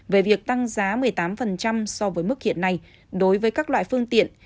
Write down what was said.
về việc tăng giá một mươi tám so với mức hiện nay đối với các loại phương tiện